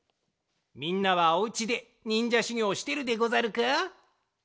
みんなはお家でにんじゃしゅぎょうしてるでござるか？